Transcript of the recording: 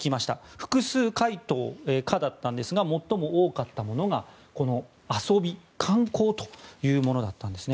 複数回答可だったんですが最も多かったものが遊び・観光というものだったんですね。